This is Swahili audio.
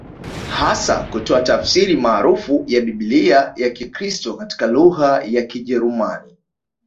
Hasa kutoa tafsiri maarufu ya biblia ya kikristo katika lugha ya Kijerumani